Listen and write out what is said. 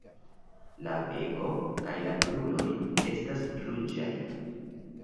La beko kaj kruroj estas ruĝaj.